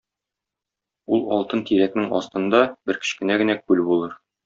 Ул алтын тирәкнең астында бер кечкенә генә күл булыр.